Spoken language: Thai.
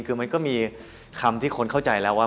คือมันก็มีคำที่คนเข้าใจแล้วว่า